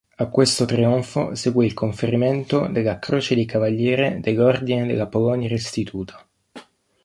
A questo trionfo seguì il conferimento della Croce di Cavaliere dell'Ordine della Polonia Restituta.